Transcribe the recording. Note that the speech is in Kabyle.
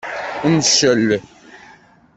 Ncel.